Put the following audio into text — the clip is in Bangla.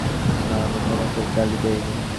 না, আমি তোমাকে গালি দেইনি।